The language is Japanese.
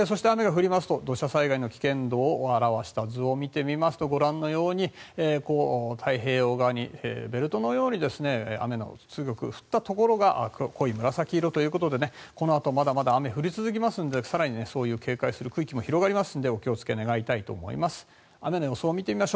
土砂災害の危険度を表した図を見ますとご覧のように太平洋側にベルトのように雨の強く降ったところが紫色ということでこのあとも、まだまだ雨が降り続きますので更に警戒する区域も広がるのでお気を付けいただきたいと思います。